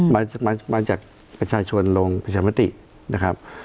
มาจากประชาชนโรงประชาชนประชาชนปฏินะครับ